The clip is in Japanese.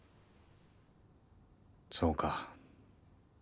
そうか。